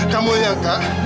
kamu yang angka